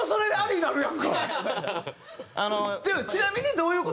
ちなみにどういう事？